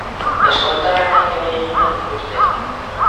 Eskolta lanak ere egiten dituzte.